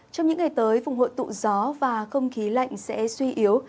trong những ngày tới vùng hội tụ gió và không khí lạnh sẽ suy yếu